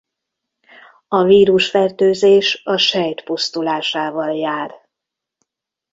A vírusfertőzés a sejt pusztulásával jár.